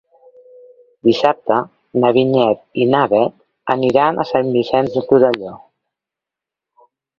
Dissabte na Vinyet i na Bet aniran a Sant Vicenç de Torelló.